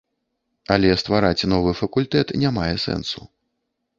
Але ствараць новы факультэт не мае сэнсу.